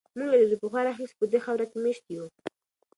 موږ له ډېر پخوا راهیسې په دې خاوره کې مېشت یو.